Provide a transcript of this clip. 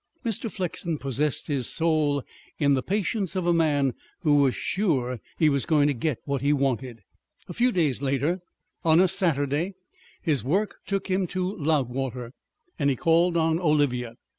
Mr. Flexen possessed his soul in the patience of a man who was sure that he was going to get what he wanted. A few days later, on a Saturday, his work took him to Loudwater, and he called on Olivia.